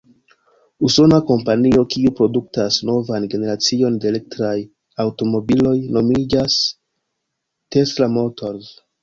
Usona kompanio, kiu produktas novan generacion de elektraj aŭtomobiloj, nomiĝas Tesla Motors.